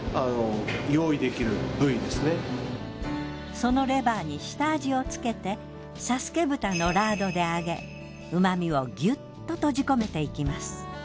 そのレバーに下味をつけて佐助豚のラードで揚げ旨みをギュッと閉じ込めていきます。